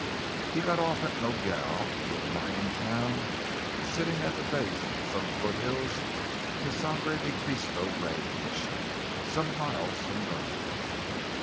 He got off at Nogel, a little mining town sitting at the base of some foothills in the Sangre de Christo Range, some miles from Dawes.